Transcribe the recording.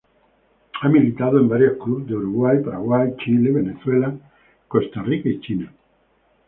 Ha militado en varios clubes de Uruguay, Paraguay, Chile, Venezuela, Costa Rica y China.